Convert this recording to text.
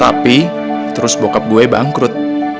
tapi terus bokap gue bangkrut